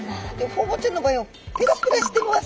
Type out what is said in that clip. ホウボウちゃんの場合はペラペラしてます。